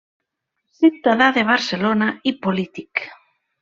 Ciutadà de Barcelona i polític.